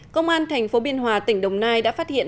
công an tp biên hòa tỉnh đồng nai đã phát hiện